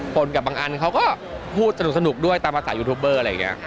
กับบางอันเขาก็พูดสนุกด้วยตามภาษายูทูปเบอร์อะไรอย่างนี้